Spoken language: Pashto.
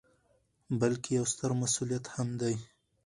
، بلکې یو ستر مسؤلیت هم دی